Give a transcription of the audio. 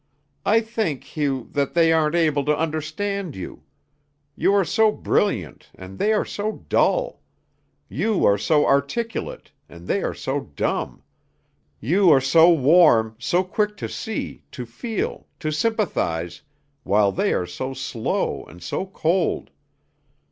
I think, Hugh, that they aren't able to understand you. You are so brilliant, and they are so dull; you are so articulate, and they are so dumb; you are so warm, so quick to see, to feel, to sympathize, while they are so slow and so cold.